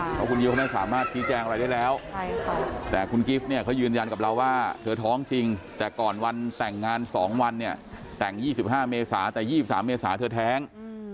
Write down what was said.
เพราะคุณยิ้วเขาไม่สามารถพรีแจงอะไรได้แล้วแต่คุณกิฟต์เนี่ยเขายืนยันกับเราว่าเธอท้องจริง